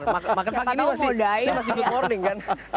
siapa tahu mau die masih good morning kan